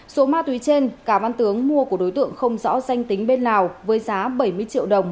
số ma túy trên cả văn tướng mua của đối tượng không rõ danh tính bên lào với giá bảy mươi triệu đồng